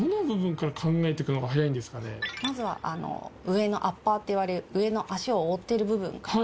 まずは上のアッパーっていわれる上の足を覆っている部分から。